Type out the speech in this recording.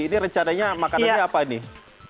ini rencananya makanannya apa ini